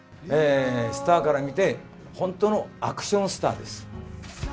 スターから見て、本当のアクションスターです。